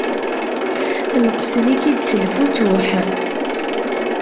Nqesd-ik-id s lfutuḥ.